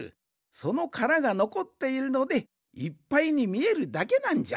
そのカラがのこっているのでいっぱいにみえるだけなんじゃ。